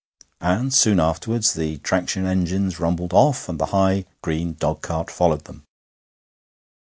And soon afterwards the traction engines rumbled off, and the high, green dogcart followed them.